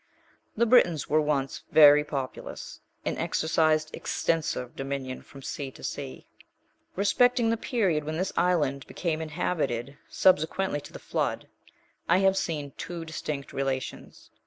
The Britons were once very populous, and exercised extensive dominion from sea to sea. 10.* Respecting the period when this island became inhabited subsequently to the flood, I have seen two distinct relations.